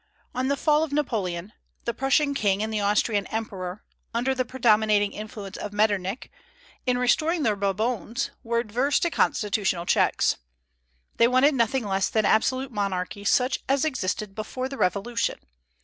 On the fall of Napoleon, the Prussian king and the Austrian emperor, under the predominating influence of Metternich, in restoring the Bourbons were averse to constitutional checks. They wanted nothing less than absolute monarchy, such as existed before the Revolution.